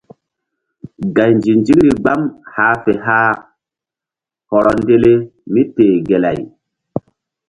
Gay nzinzikri gbam hah fe hah hɔrɔ ndele míteh gelay.